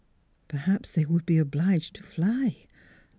... Perhaps they would be obliged to fly.